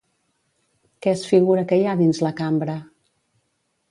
Què es figura que hi ha dins la cambra?